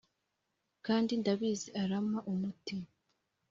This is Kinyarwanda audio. kandi ndabizi arampa umuti!